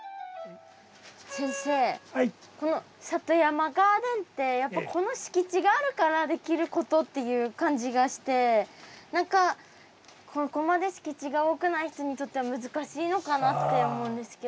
先生この里山ガーデンってやっぱこの敷地があるからできることっていう感じがして何かここまで敷地が多くない人にとっては難しいのかなって思うんですけど。